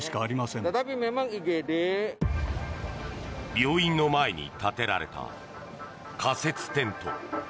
病院の前に建てられた仮設テント。